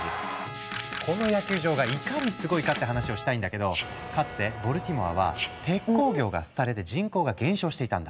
この野球場がいかにすごいかって話をしたいんだけどかつてボルティモアは鉄鋼業が廃れて人口が減少していたんだ。